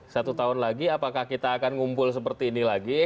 satu tahun lagi apakah kita akan ngumpul seperti ini lagi